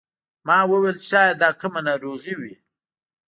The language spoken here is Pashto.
ما وویل چې شاید دا کومه ناروغي وي.